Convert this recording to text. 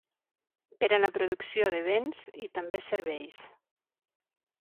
Per a la producció de bens i també serveis